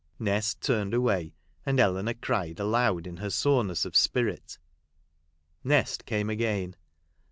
Nest turned away, and Eleanor cried aloud in her soreness of spirit. Nest came again.